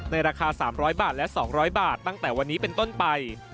ราคา๓๐๐บาทและ๒๐๐บาทตั้งแต่วันนี้เป็นต้นไป